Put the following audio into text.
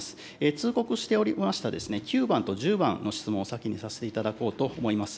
通告しておりました９番と１０番の質問を先にさせていただこうと思います。